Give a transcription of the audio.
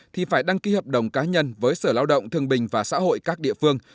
thì phải đăng ký hợp đồng cá nhân với sở lao động thương bình và xã hội các địa phương